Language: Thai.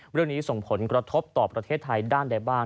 เรื่องนี้ส่งผลกระทบต่อประเทศไทยด้านใดบ้าง